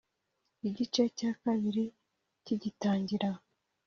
Igice cya kabiri kigitangira